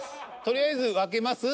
とりあえず分けます？